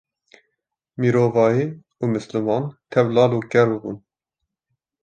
mirovahî û misliman tev lal û ker bibûn